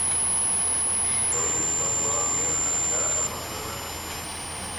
Dijous n'Eulàlia anirà a Madremanya.